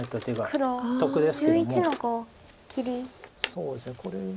そうですねこれ。